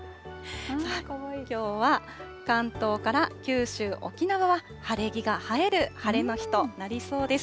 きょうは関東から九州、沖縄は晴れ着が映える晴れの日となりそうです。